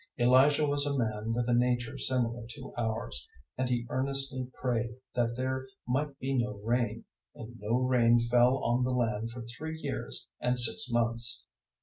005:017 Elijah was a man with a nature similar to ours, and he earnestly prayed that there might be no rain: and no rain fell on the land for three years and six months.